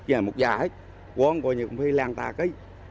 thằng đói thằng đói thằng đói thằng đói thằng đói